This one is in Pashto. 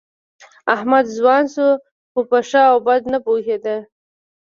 احمد ځوان شو، خو په ښه او بد نه پوهېده.